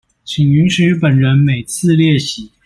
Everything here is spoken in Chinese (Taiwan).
請允許本人每次列席